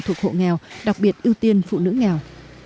thuộc hộ nghèo đặc biệt ưu tiên phụ nữ nghèo